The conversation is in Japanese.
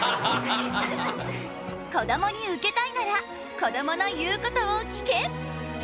こどもにウケたいならこどもの言うことを聞け！